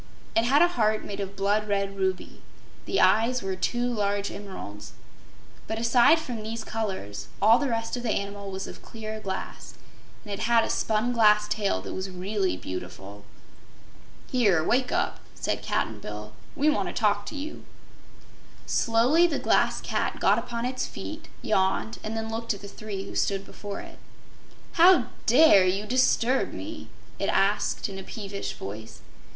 It had a heart made of blood red ruby. The eyes were two large emeralds. But, aside from these colors, all the rest of the animal was of clear glass, and it had a spun glass tail that was really beautiful. "Here, wake up," said Cap'n Bill. "We want to talk to you." Slowly the Glass Cat got upon its feed, yawned and then looked at the three who stood before it. "How dare you disturb me?" it asked in a peevish voice.